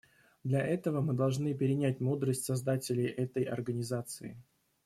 Для этого мы должны перенять мудрость создателей этой Организации.